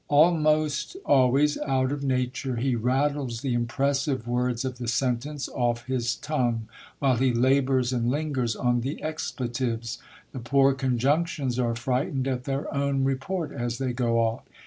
Almost always out of nature, he rattles the impressive words of the sentence off his tongue, while he labours and lingers on the expletives ; the poor conjunctions are frightened at their own re port as they go off.